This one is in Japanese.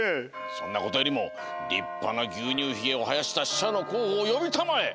そんなことよりもりっぱなぎゅうにゅうヒゲをはやしたししゃのこうほをよびたまえ。